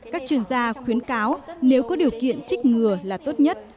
các chuyên gia khuyến cáo nếu có điều kiện trích ngừa là tốt nhất